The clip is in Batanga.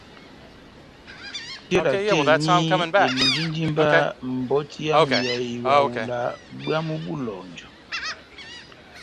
Tela tɛ́h eni elɔ́njindi mba mbɔti yami ya ehawula bwámu bó eloŋjɔ.